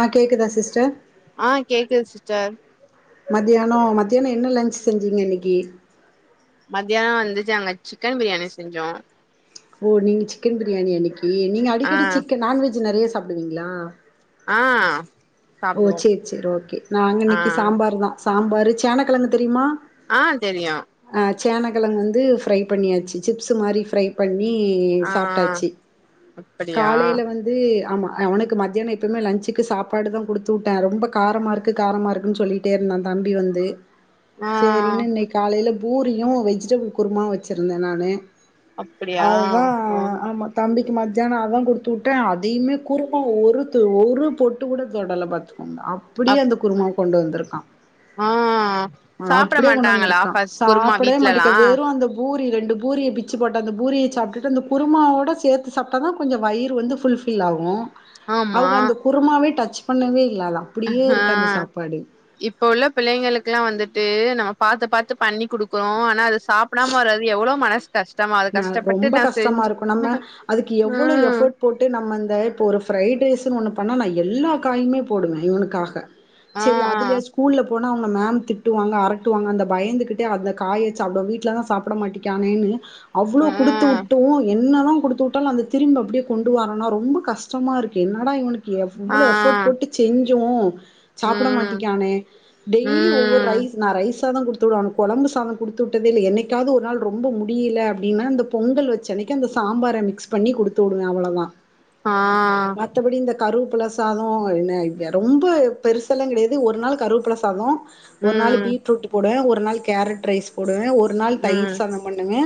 ஆ கேக்குதா சிஸ்டர் ஆ கேக்குது சிஸ்டர் மத்தியான மத்தியான என்ன லஞ்சச் செஞ்சீங்க இன்னிக்கு மத்தியான வந்து நாங்க சிக்கன் பிரியாணி செஞ்சோ ஓ நீங்க சிக்கன் பிரியாணி இன்னிக்கு நீங்க ஆ அடிக்கடி சிக்க நான்வெஜ் நெறைய சாப்புடுவீங்களா ஆ ஓ சாப்டுவோ சரி சரி ஓகே நாங்க ஆ இன்னிக்கு சாம்பார் தா சாம்பாரு சேனக்கிழங்கு தெரியுமா ஆ தெரியு அ சேனைக்கிழங்கு வந்து ஃப்ரை பண்ணியாச்சு சிப்ஸ்ு மாதிரி ஃப்ரை பண்ணி ஆ சாப்ட்டாச்சு அப்படியா காலைல வந்து வந்து ஆமா அவனுக்கு மத்தியான எப்பவுமே லன்சுக்கு சாப்பாடு தா கொடுத்து வுட்ட ரொம்ப காரமா இருக்கு காரமா இருக்குன்னு சொல்லிட்டே இருந்தா தம்பி வந்து ஆ செரின்னு இன்னிக்கு காலையில பூரியு வெஜிடபள் குருமாவு வச்சிருந்த நானு அப்படியா அதுதா ம் ஆமா தம்பிக்கு மத்தியான அதா கொடுத்து வுட்ட அதையுமே குருமா ஒரு ஒரு பொட்டு கூட தொடல பாத்துக்கோங்க அப்டியே அப் அந்த குரும கொண்டு வந்திருக்கா ஆ சாப்ட அப்டியே கொண்டு மாட்டாங்களா வந்திருக்கா ஃபஸ்ட் குருமா சாப்டவே வீட்லலா மாட்டிக்க வெறு அந்த பூரி ரெண்டு பூரிய பிச்சு போட்ட அந்த பூரிய சாப்புட்டு அந்த குருமாவோட சேர்த்து சாப்ட்டா தா கொஞ்ச வயிறு வந்து ஃபுல் பில் ஆகு ஆமா அவங்க அந்த குருமாவே டச் பண்ணவே இல்லல அ இப்ப இப்ப உள்ள பிள்ளைங்களுக்குல்லா வந்துட்டு நம்ம பாத்து பாத்து பண்ணி குடுக்குறோ ஆனா அது சாப்டாம வறது எவ்ளோ மனசு கஷ்டமா அது ந கஷ்டப்பட்டு ரொம்ப நா கஷ்டமா செஞ்சு இருக்கும் நம்ம அதுக்கு எவ்வள ம் எஃபர்ட் போட்டு நம்ம இந்த இப்போ ஒரு ஃப்ரைட் ரைஸுன்னு ஒன்னு பண்ணா நா எல்லா காயுமே போடுவ இவனுக்காக ஆ சரி அதுலய ஸ்கூல்ல போன அவங்க மேம் திட்டுவாங்க அரட்டுவாங்க அந்த பயந்துகிட்டே அந்த காயச்சு அ வீட்டு்லதா சாப்ட மாட்டிக்கியனேன்னு அவ்ளோ கொடுத்து ஆ வுட்டு என்னதா கொடுத்து விட்டாலு அந்த திரும்ப அப்டியே கொண்டு வரோன்னா ரொம்ப கஷ்டமா இருக்கு என்னடா இவனுக்கு ஆ எவ்ளோ எஃபோர்ட் போட்டு செஞ்சோ சாப்பட ம் மாட்டிக்கானே டெய்லி ஒவ்வரு ம் ரைஸ் நா ரைஸ தா கொடுத்து வ அவனுக்கு குழம்பு சாத கொடுத்து விட்டத இல்ல என்னைக்காவது ஒரு நாள் ரொம்ப முடில்ல அப்டின்னா அந்த பொங்கல் வச்ச அன்னிக்கு அந்த சாம்பார மிக்ஸ் பண்ணி கொடுத்து விடுவ அவ்ளதா ஆ மத்தபடி இந்த கருவப்பில ச சாத என்ன இது ரொம்ப பெருசெல்லா கிடையாது ஒரு நாள் கருவப்பில சாத ஒரு நாள் ம் பீட்ரூட் போடுவே ஒரு நாள் கேரட் ரைஸ் போடுவே ஒரு நாள் தயிர் ம் சாத பண்ணுவே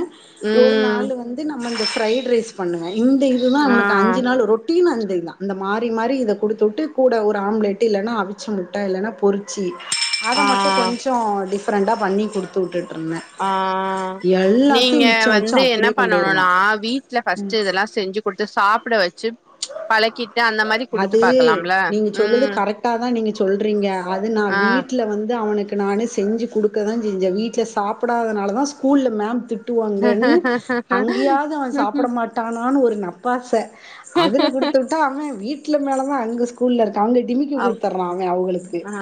ஒரு ம் நாளு வந்து நம்ம இந்த ஃப்ரைட் ரைஸ் பண்ணுவே இந்த இதுதா ஆ அவனுக்கு அஞ்சு நாள் ரொட் டின் அந்த இதுதா இந்த மாறி மாறி இத குடுத்துவுட்டு கூட ஒரு ஆம்ப்லேட்டு இல்லனா அவிச்ச முட்ட இல்லனா பொரிச் சி அத ஆ மட்டு கொஞ்ச டிஃப்ரெண்ட்டா பண்ணி குடுத்து விட்டு்ட்ருந்தே ஆ நீங்க க வச்சு வந்து என்ன அப்டியே கொண்டு வருவா பண்ணணுனா வீட்ல ஃபஸ்ட்டு இதெல்லா செஞ்சுக் குடுத்து சாப்புட வெச்சு பழக்கிட்டு அந்த மாரி குடுத்து பாக்கலாம்ல ம் ட்டா தா நீங்க சொல்றீங்க அது நா ஆ வீட்ல வந்து அவனுக் கு நானே செஞ்சு குடுக்கதா செஞ்சேஏ வீட்ல சாப்புடாதனால தா ஸ்கூல்ல மேம் திட்டுவா ங்கன்னு அங்கேயாவ்து அவ சாப்பிட மாட் டானானு ஒரு நப்பாச அதுல குடுத்து விட்டா அவ வீட்ல மேல தா அங்க ஸ்கூல்ல இருக்கா அவ்ங்க டிமிக்கி அப் குடுத்துட்றாங்க அவ்களுக்கு ஆ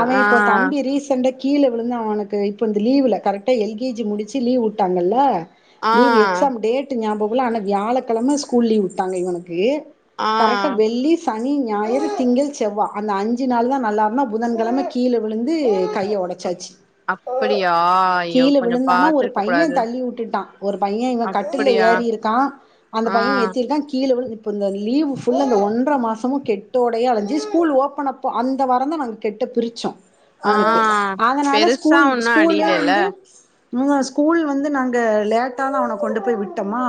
அவ ஆ இப்போ தம்பி ரீசெண்டா கீழ விழுந்தா அவனுக்கு இப்ப இந்த லீவுல கரெக்டா எல் கே ஜி முடிச்சு லீவ் வுட்டாங்கல்ல ஆ லீவு எக்ஸாம் டேட்டு ஞாபக இல்ல ஆனா வியாழக்கெழமை ஸ்கூல் லீவ் விட்டாங்க இவனுக்கு ஆ கரெக்ட்டா வெள்ளி சனி ஞாயிறு திங்கள் செவ்வ அந்த அஞ்சு நாள் தா நல்லாருந்தா புதன்கெழம கீழ விழுந்து கைய ஒடச் உடைச்சிட சாச்சு அப்படியா ஐயோ கீழ கொஞ்சோ விழுந்தானா ஒரு பாத்துருக்க பைய கூடாது தள்ளி வுட்டுட்டான் ஒரு பைய இவ கட்டில்ல அப்படியா ஏறிருக்கா அந்த பைய ஆ எத்திருக்கா கீழ விழுந்து இப்ப இந்த லீவு ஃபுல்லு அந்த ஒன்ற மாசமு கெட்டோடையா அழஞ்சி ஸ்கூல் ஓப்பன் அப்போ அந்த வரந்தா நாங்க [inaudible] கெட்ட பிரிச்சோ ஆ அவனுக்கு அதனால பெருசா ஸ்கூல் ஒன்னு ஸ்கூலே அடியிலல்ல வந்து இவுங்க ஸ்கூல் வந்து நாங்க லேட்டா தா அவன கொண்டு போய் விட்டம்மா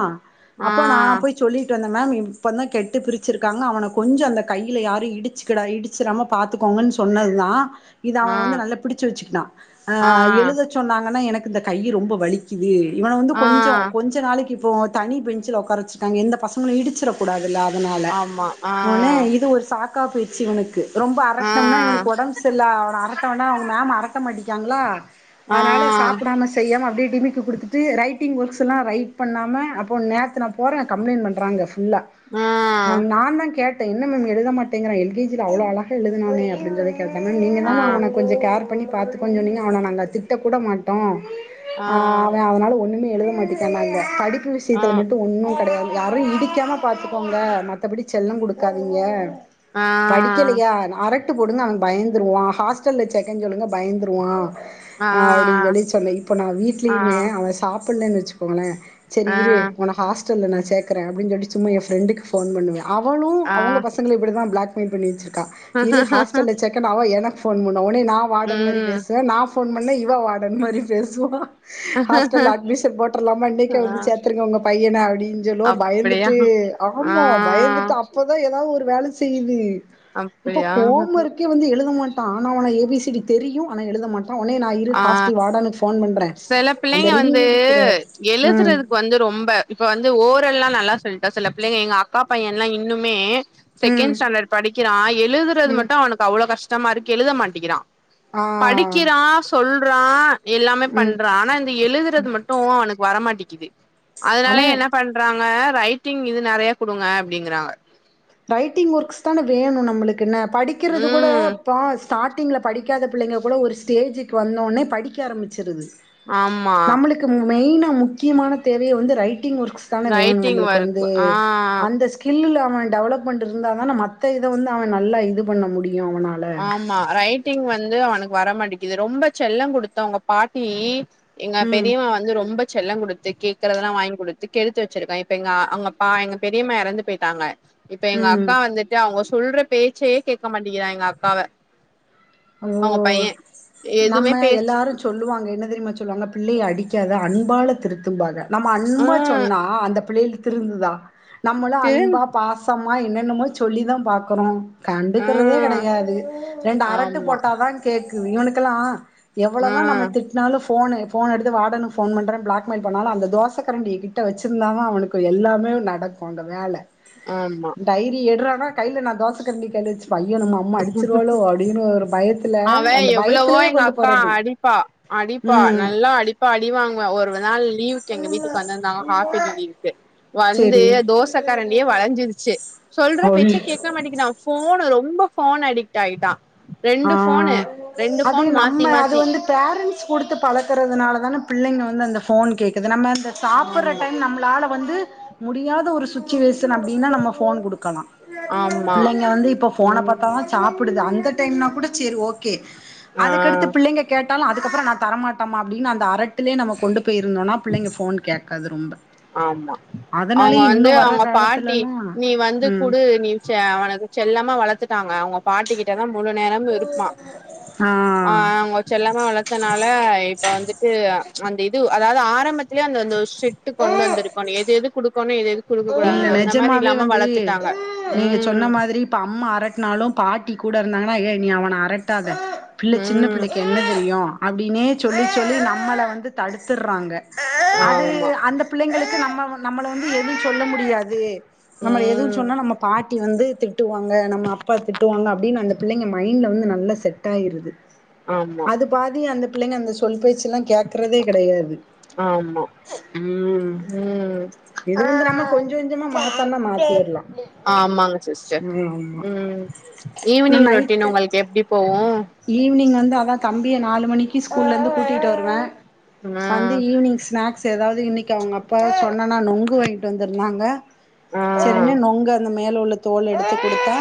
ஆ அப்போ நா போய் சொல்லிட்டு வந்தே மேம் இப்பந்தா கெட்டு பிரிச்சிருக்காங்க அவன கொஞ்ச அந்த கையில யாரு இடிச்சு க்குடா இடிச்சிராம பாத்துக்கோங்கன் சொன்னதுதா இத அவ ஆ வந்து நல்லா பிடிச்ச வச்சிக்கினா அ ஆ எழுத சொன்னாங்கனா எனக்கு இந்த கையி ரொம்ப வலி க்கிது இவன வந்து ஆ கொஞ்ச கொஞ்ச நாளைக்கு இப்போ தனி பெஞ்ச்சுல ஒக்க்கார வெச்சுருக்காங்க எந்த பசங்களு இடிச்சிறக் கூடாதுல அதனால ஆமா ஆ ஒடனே இது ஒரு சாக்கா போயிருச்சு இவனுக்கு ரொம்ப ஆ அரட்டணம்னா இவனுக்கு ஒடம்பு செரியில்ல அவன அரட்ட வேணா அவ்ங்க மேம் அரட்ட மாட்டிக்காங்ளா ஆ ஆ அதனால சாப்புடாம செய்யாம அப்டியே டிமிக் க்கு குடுத்துட்டு ரைட்டிங் ஒர்க்ஸுலா ரைட் பண்ணாம அப்போ நேத்து நா போறே கம்ப்ளைண்ட் பண்றாங்க ஃபுல்லா ஆ மேம் நாந்தா கேட்டே என்ன மேம் எழுத மாட்டிங்கிறா எல் கே ‌ஜி ல அவ்ளோ அழகா எழுதுனானே அப்டின்றத கேர் பண்ணா நீங்க தா ஆ ஆ ஆ மேம் அவன கொஞ்ச கேர் பண்ணி பாத்துகோன் சொன்னிங்க அவன நாங்க திட்ட கூட மாட்டோ ஆ அவெ அதனால ஒன்னுமே எழுத மாட்டிட்டானாங்க படிப்பு விஷ்யத்துல மட்டு ஒன்னு கெடையாது யாரு இடிக்காம பாத்துக்கோங்க மத்தபடி செல்ல குடுக்காதீங்க ஆ அடிக்கலையா நா அரட்டு போடுங்க அவ பயந்துருவா ஹாஸ்டல்ல செக்கேன் சொல்லுங்க பயந்துருவா அப்டின் சொல்லி சொன்னே இப்ப நா ஆ வீட்லயுமே அவ சாப்பிட்லன் வெச்சுக்கோங்களே சேரி ஆ இரு ஒன்ன ஹாஸ்டல்ல நா சேக்குறே அப்டின் சொல்லிட்டு சும்மா எ ஃப்ரெண்டுக்கு ஃபோன் பண்ணுவே அவளு ஆ அவுங்க பசங் கள் இப்டி தா பிளாக் மெயில் பண்ணி வெச்சிருக்கா இரு ஹாஸ்டல்ல செக்கேனு அவ எனக்கு ஃபோன் பண்ணா ஒட்னே நா வார்டன் மாரி ம் பேசுவே நா ஃபோன் பண்ணா இவ வார்டன் மாரி பேசுவா ஹாஸ்டல்ல அட்மிஷன் போட்றலாமா இன்னைக்கே ஆ வந்து சேத்துருங்க ஒங்க பையன அப்டின் சொல்லுவா அப்டியா பயந்துட்டு ஆ ஆமா பயந்துட்டு அப்பதா எதாவ்து ஒரு வேல செய்யுது இப்ப அப்டியா ஹோம் ஒர்கே வந்து எழுத மாட் டா ஆனா ஆவனா ஏ பி சி டி தெரியு ஆனா எழுத மாட்டா ஒனே நா இரு ஆ ஹாஸ்டல் வார்டனுக்கு ஃபோன் பண்றே சில அந்த பிள்ளைங்க ரிங் வந்து அடிக்கிற ம் எழுதுறதுக்கு வந்து ரொம்ப இப்ப வந்து ஓரெல்லா நல்லா சொல்லிட்டா சில பிள்ளைங்க எங்க அக்கா பைய எல்லா இன்னுமே ம் செகண்ட் ஸ்டாண்டர்ட் படிக்கிறா எழுதுறது ம் மட்டு அவனுக்கு அவ்ளோ கஷ்டமா இருக்கு எழுத மாட்டேக்கிறா ஆ படிக்கிறா சொல்றா எல்லாமே ம் பண்றா ஆனா இந்த எழுதுறது மட்டு டு அவனுக்கு வரமாட்டிங்குது அதனால ஆனா என்ன பண் பண்றாங்க ரைட்டிங் இது நெறைய குடுங்க அப்டிங்கறாங்க ரைட்டிங் ஒர்க்ஸ் தானே வேணு நம்மளுக்கு என்ன படிக்கிறது கூட ம் இப்போ ஸ்டார்ட்டிங்கில்ல படிக்காத பிள்ளைங்க கூட ஒரு ஸ்டேஜக்கு வந்தோனே படிக்க ஆரம்பிச்சிருது ஆமா மெயின்னா முக்கியமான தேவையே வந்து ரைட்டிங் ஒர்க்ஸ் தானே வேணு ரைட்டிங் நம்மளுக்கு ஒர்க் வந்து ஆ அந்த ஸ்கில்லுல அவ டெவலப்மெண்ட் இருந்தா தானே மத்த இத வந்து அவ நல்லா இது பண்ண முடியு அவனால ஆமா ரைட்டிங் வந்து அவனுக்கு வரமாட்டேக்கிது ரொம்ப செல்லோ குடுத்து அவங்க பாட்டி எங்க ம் பெரியவ ரொம்ப செல்லோ குடுத்து கேக்குறதெல்லா வாங்கி குடுத்து கெடுத்து வெச்சிருக்க இப்ப அங்கப்ப எங்க பெரியம்மா எறந்து போய் ட்டாங்க இப்ப எங்க ம் அக்கா வந்துட்டு அவங்க சொல்ற பேச்சே கேக்க மாட்டேங்கிறா எங்க அக்காவ ஓ அவங்க பைய எதுமே நம்ம பேச எல்லாரு சொல்லுவாங்க என்ன தெரியுமா சொல்லுவாங்க பிள்ளைய அடிக்காத அன்பால திருத்தும்பாக நம்ம ஆ அன்பா சொன்னா அந்த பிள்ளைல திருந்துதா நம்மள திரு அன்பா பாச த்தமா என்னென்னமோ சொல்லி தா பாக்கறோ ஆ கண்டுக்கறதே கெடையாது ரெண்டு அர ஆமா ஆ கேக்குது இவனுக்கெல்லா ஆ எவ்ளதா நம்ம திட் னாலு ஃபோனு ஃபோனு எடுத்து வாடனுக்கு ஃபோன் பண்ணுறன்னு பிளாக்மெயில் பண்ணாலு அந்த தோசக்கரண்ட கிட்ட வெச்சிருந்த தா அவனுக்கு எல்லாமே நடக்கு அங்க வேல ஆமா டைரி எட்றான்னா கையில் நா தோச கரண்டி கையில வெச்சிப்ப ஐய்யோ நம்ம அம்மா அடிச்சிருவாளோ அப்டின்னு அவ எவளவோ எங்க அக்கா போறது அடிப்பா அடிப்பா ம் நல்லா அடிப் ப்பா அடிவாங்குவா ஒரு நாள் லீவுக்கு எங்க வீட்டுக்கு வந்திருந்தாங்க ஆப்பேலி லீவ் வந்து சேரி தோச கரண்டியே வலஞ்சிருச்சு சொல்ற பேச்சே கேக் கமாட்டங்கிறா ஃபோனு ரொம்ப ஃபோனு அடிக்ட் ஆயிட்டா ஆ ரெண்டு ஃபோனு ரெண்டு அது ஃபோனு நம்ம மாத்தி அது மாத்தி வந்து பேரண்ட்ஸ் குடுத்து பழக்கறதுனால தானே பிள்ளிங்க வந்து அந்த ஃபோன் கேக்குது நம்ம அந்த சாப்பிட்ற ஆமா டைம் நம்மளால வந்து முடியாத ஒரு சுச்சுவேஷன் அப்டின்னா நம்ம ஃபோன் குடுக்கலா ஆமா புள்ளிங்க வந்து இப்ப போன பாத்தாதா ம் வந்து சாப்பிடுது அந்த டைம்னா கூட சேரி ஓ கே ஆ அதுக்கடுத்து பிள்ளிக கேட்டாலு அதுக்கப்றோ நா தரமாட்ட அப்டின்னு அந்த அறட்டிலே நம்ம கொண்டு இருந்தோனா புள்ளிங்க ஃபோன் கேக்காது ரொம்ப ஆமா அவங்க அதனாலயே இன்னு வந்து வர்ற அவங்க பாட்டி காலத்துலலா நீ வந்து ம் குடு நீ செ அவன செல்லமா வளத்துட்டாங்க அவங்க பாட்டி கிட்டதா முழு நேரமு இருப்பா ஆ அவங்க செல்லாம வளத் தனால இப்ப வந்துட்டு அந்த இது அதாவது ஆரம்பத்திலயே அந்த ஸ் ட்டு கொண்டு வந்திருக்கனு எது எது குடுக்கணு எது எது குடுக்க இல்ல கூடாதுன்னு அந்த மாரி நெஜமாவே இல்லாம வந்து வளத்துட்டாங்க நீங்க ம் சொன்ன மாதிரி இப்ப அம்மா அரட்டினாலு பாட்டி கூட இருந்தாங்கன்னா ஏய் நீ அவன அரட்டாத பிள்ள சின்ன ம் பிள்ளிக் என்ன தெரியு அப்டின்னே சொல்லி சொல்லி நம்மள வந்து தடுத்துர்றாங்க அது ஆமா அந்த பிள்ளைகளுக்கு நம்ம வ நம்மல வந்து எது சொல்ல முடியாது நம்முல எதுவு ம் சொன்னா நம்ம பாட்டி வந்து திட்டுவாங்க நம்ம அப்பா திட்டுவாங்க அப்டின்னு அந்த பிள்ளிங்க மைண்டுல வந்து நல்ல செட் ஆயிருது ஆமா அது பாதி அந்த பிள்ளைங்க அந்த சொல்பேச்சு எல்லா கெக்கறதே கெடையாது ஆமா ம் ம் இது வந்து நம்ம கொஞ்ச கொஞ்சமா மாத்தன்னா மாத்திலா உம் இன்னு ஈவினிங் ரொட்டின் நைட்டு உங்கள் போவோ ஈவினிங் வந்து அதா தம்பிய நாலு மணிக்கு ஸ்கூல்ல இருந்து கூட்டிட்டு வருவே வந்து ம் ஈவினிங் ஸ்நாக் ஸ் எதாவது இன்னிக்கு அவுங்க அப்பா சொன்னனா நுங்கு வாங்கிட்டு வந்திருந்தாங்க ஆ சேரினு நூங்கு அந்த மேல உள்ள தோல் எடுத்து குடுத்தா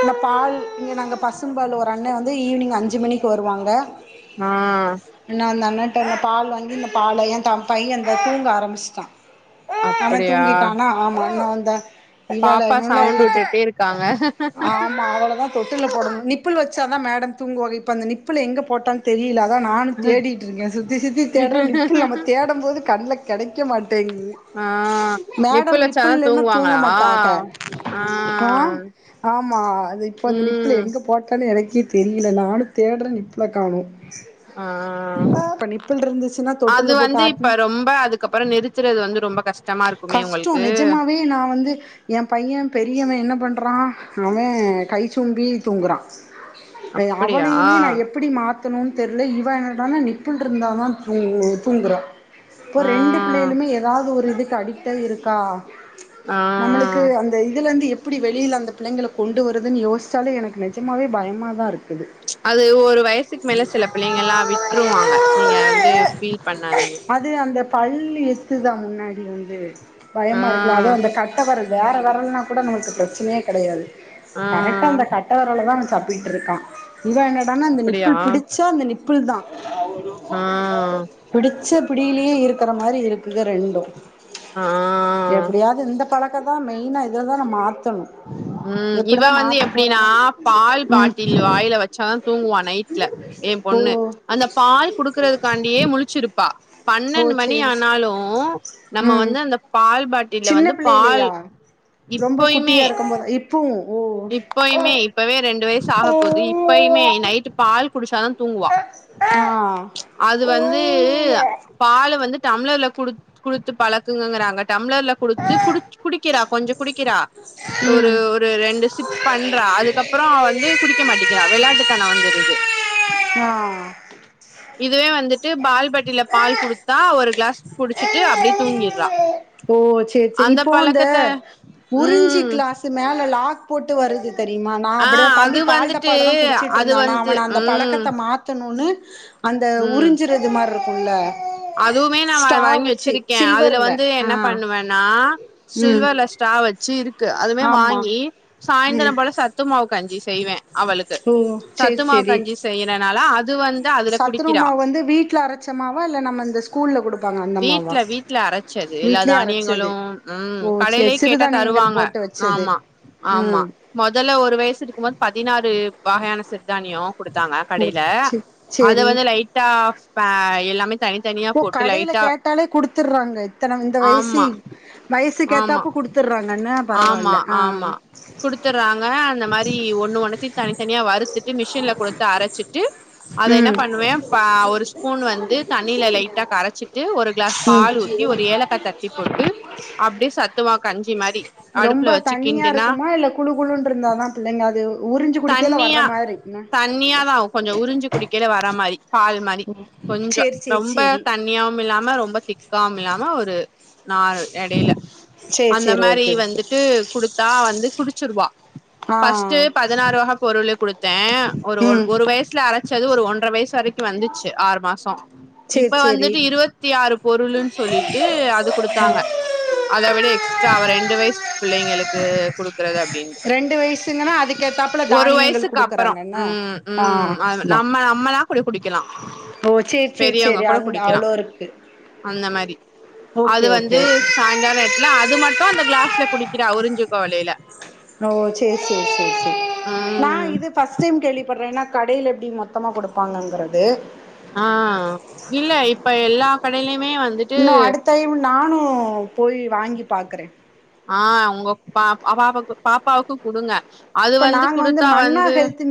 இன்னு பால் இங்க நாங்க பசும் பால் ஒரு அண்ண வந்து ஈவினிங் அஞ்சு மணிக்கு வருவாங்க ஆ இன்னு அந்த அண்ணன்ட அந்த பால் வாங்கி இந்த பால் ஏன் த பைய இந்த தூங்க ஆரமிஸ்டா அவ அப்படியா தூங்கிட்டானா ஆமா அண்ண வந்தா இவால பாப்பா இவத் சவுண்ட் என்னத்துக் வுட்டுட்டே ஆமா அவளதா தொடில்ல போடனு நிப்புல் வச்சா தா மேடம் தூங்கு வாங்க இப்போ அந்த நிப்பில் எங்க போட்டா தெரியில அதா நானு இருக்காங்க தேடிட்டு இருக்கே சுத்தி சுத்தி தேட்ற நிப்புல் நம்ம தேடும் போது கண்ல கெடைக்க மாட்டேங்குது ஆ மேடம் நிப்புல நிப்புல் வச்சாதா இல்லனா தூங்க தூங்குவாங்களா மாட்டங்க ஆ ஆமா அது இப்ப அந்த நிப்புல் ம் எங்க போட்டன்னு எனக்கே தெரியில நானு தேட்ற நிப்புல காணோ ஆ இப்ப நிப்பிள் இருந்துச்சுன்னா தொட்டில்ல அது போட்டு வந்து இப்ப ஆட்னா ரொம்ப அதுக்கப்பறோ நிறுத்துறது வந்து ரொம்ப கஷ் கஷ்டோ நெஜமாவே நா வந்து எ பைய பெரியவ என்ன பண்றா அவ கைச்சும்பி தூங்குறா ஏ அப்படியா அவனையுமே நா எப்பிடி மாத்தனு தெர்ல இவ இன்னடான நிப்புல் இருந்தா தா தூ ங்குறா இப்போ ஆ ரெண்டு பிள்ளைகளுமே ஏதாவது ஒரு இதுக்கு அடிக்டாகி இருக்கா ஆ நம்முளுக்கு அந்த இதுல இருந்து எப்பிடி வெளியில அந்த பிள்ளங்களை கொண்டு வருதுன் யோசிச்சாலே எனக் நிஜமாவே பயமாக தா இருக் அது ஒரு வயசுக்கு மேல சில பிள்ளைங்கல்லா விட்ருவாங்க நீங்க வந்து ஃபீல் பண்ணாதீங்க அது அந்த பல் எத்துதா முன்னாடி வந்து ஆ பயமா இருக்குல அதுவு அந்த க ட்ட வெரல் வேற வெரல்னா கூட நமக்கு பிரச்சனையே கிடையாது ஆ கரெக்டா அந்த கட்ட வெரலதா அவன் சப்பிட்டு இருக்கா இவ என்னடான்னா அந்த அப்படியா நிப்புள் பிடிச்சா அந்த நிப்புள் தா ஆ பிடிச்ச பிடியிலே இருக்கிற மாரி இருக்குது ரெண்டு ஆ எப்டியாது இந்த பழக்கதா மெயினா இதுலதா நா மாத்தணு உம் இவ எப்டிதா வந்து மாத்த எப்டினா போறனோ பால் ம் பாட்டில் வாயில வெச்சாதா தூங்குவா நைட்ல என் ஓ பொண்ணு அந்த பால் குடுக்கறதுக்காண்டியே முளிச்சிருப்பா ஓ பன்னெண்டு மணி சேரி ஆனாலு நம்ம ம் வந்து அந்த பால் பாட் டில்ல சின்ன வந்து பால் பிள்ளையிலயா ரொம்ப இப்பயுமே [unintelligible] இப்பவு ஓ இப்பயுமே இப்பவே ரெண்டு வய்சு ஆக போகுது இப்பயுமே நைட்டு் பால் குடிச்சாதா தூங்குவா ஆ அது வந்து பால் வந்து டம்ளர்ல குடு குடுத்து பழக்குங்கங்கறாங்க டம்ளர்ல குடுத்து குடி குடிக்கிறா கொஞ்ச குடிக்கிறா ஒரு ம் ஒ ரு ரெண்டு சிப் பண்றா அதுக்கப்புறோ அவ வந்து குடிக்க மாட்டிங்கிறா விளாட்டுத்தனோ வந்துருது ஆ இதுவே வந்துட்டு பால்பாட்டில பால் ஆ குடுத்தா ஒரு க்ளாஸ் குடிச்சிட்டு அப்டே தூங்கிற்றா ஓ சேர் செரி இப்போ அந்த உறிஞ்சி ம் க்ளாஸு மேல லாக் போட்டு வருது தெரியுமா நா ஆ அப்படிதா தம்பி அது வந்துட்டு பால்டப்பால தா அது குடிச்சிட்ருந்தா நா வந்து அவன அந்த ம் பழக்கத்த மாத் தணூனு அந்த ம் உறிஞ்சுறது மார்ருக்குல்ல அதுவுமே நா வா ஸ்ட்ரா வாங்கி வெச்சு வச்சிருக்கே அதுல சில்வர்ல வந்து என்ன ஆ பண்ணுவன்னா ம் சில்வர்ல ஸ்ட்ரா வெச்சு இரு க்கு அதுமே ஆமா வாங்கி ம் சாய்ந்திரம் போல சத்து மாவு கஞ்சி செய்வே அவளுக்கு ஓ சேரி சத்துமாவு சேரி கஞ்சி செய்யறனால அது வந்து அதுல குடி த்து மா வந்து வீட்ல அரச்ச மாவ இல்ல நம்மந்த வீட்ல வீட்ல அரச்சது எல்லா வீட்லயே தானியங்களு அரச்சது ம் ஓ சேரி கடையிலே கேட்டா சிறுதானியங்கள் தருவாங்க போட்டு வச்சது ஆமா ஆமா ம் மொதல்ல ஒரு வயசு இருக்கும்போத் பதினாறு வகையான சிறத்தானியோ குடுத்தாங்க கடைல ச்சு அது சேரி வந்து லைட்டா அ எல்லாமே தனித்தனியா ஓ போட்டு லைட் கடையில கேட்டாலே குடுத்துற்றாங்க இத்தன இந்த வயசு ஆமா வயசுக் ஆமா கேத்தாப்ப குடுத்துடுறாங்கன்ன ஆமா ஆமா குடுத்துறாங்க அந்த மாரி ஒண்ணு ஒண்ணுத்தி தனித்தனியா வறு த்துட்டு மிஷின்ல குடுத்து அரச்சிட்டு அத என்ன ம் பண்ணுவே அ ஒரு ஸ்பூன் வந்து தண்ணியில லைட்டா கரச்சு ட்டு ஒரு க்ளாஸ் ம் பால் ஊத்தி ஒரு ஏலக்கா தட்டி போட்டு அப்டே சத்துமாவ் கஞ்சி மாரி அடுப்புல ரொம்ப வச்சு தண்ணியா கிண்டுனா இருக்குமா இல்ல குழு குழுன்ட்ருந்தாதா பிள்ளைங்க அது உறிஞ்சு குடிக்கைல வர்ற தண்ணியா மாரி என்ன தண்ணியாதா கொஞ்சோ உறிஞ்சு குடிக்கெல வர மாரி பால் மாரி கொஞ்சோ சேரி சேரி ரொம்ப சேரி தண்ணியாவுமில்லாம ரொம்ப திக்காவுமில்லாம ஒரு நால் எடையில சேரி அந்த சேரி மாரி ஓகே ஓகே வந்துட்டு குடுத்தா வந்து குடிச்சிருவா ஆ ஃபஸ்ட்டு பதினாறு வக பொருளு குடுத்தே ஒரு ஒ ம் ஒரு வயசுல அர ச்சது ஒரு ஒன்ற வய்சு வரைக்கு வந்துச்சு ஆறு மாசோ சேரி இப்ப சேரி வந்துட்டு இருவத்தி ஆறு பொருளுன் சொல்லிட்டு அது ஆ குடுத்தாங்க அத விட எக்ஸ்ட்ரா அவ ரெண்டு வய்சு பிள்ளைங்களுக்கு குடுக்குறது அப்டின் ரெண்டு வய்சுங்கன்னா அதுக் கேத்தாப்புல தானியங்கள் வயசுக்கு அப்பறோ குடுக்குறாங்கன்னா ம் ஆ ம் அது இதா நம்ம நம்மளா கூட குடிக்கலா ஓ செர் செர் பெரியவங்க செரி கூட அந் குடிக்கலா அவ்ளோ இருக்கு அந்த மாரி ஓகே ஓகே ஓகே சாயங்கால் நேர்த்துல அது மட்டு அந்த க்ளாஸ்ல குடிக்கிற உறிஞ்சு குவளைல ஓ சே சே சே சே நா ம் இது ஃபஸ்ட் டைம் கேள்விப்பட்றே ஏனா கடைல எப்டி மொத்தமா குடுப்பாங்கங்கிறது ஆ இல்ல இப்ப எல்லா கடைலயுமே வந்து இன்னு அடுத்த டைம் நானு போய் வாங்கி பாக்குறே ஆ உங்க பா பாப்பாக்கு பாப்பாவுக்கு குடுங்க அது இப்ப வந்து நாங்க குடுத்தா மன்னா வந்து ஹெல்த்